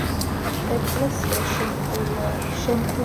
ეკლესია შემკულია რელიეფებითა და ქართული წარწერებით.